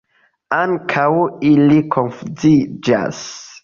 Ankaŭ ili konfuziĝas.